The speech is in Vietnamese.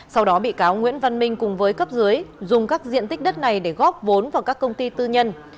sau đó bị cáo nguyễn văn minh cùng với cấp dưới dùng các diện tích đất này để góp vốn vào các công ty tư nhân